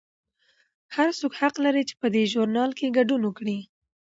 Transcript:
هر څوک حق لري چې په دې ژورنال کې ګډون وکړي.